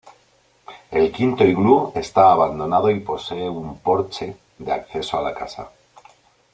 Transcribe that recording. El quinto iglú está abandonado y posee un porche de acceso a la casa.